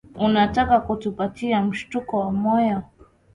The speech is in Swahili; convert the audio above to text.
Unataka kutupatia mshtuko wa moyo